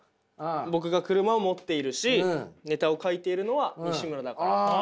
僕が車を持っているしネタを書いているのはにしむらだから。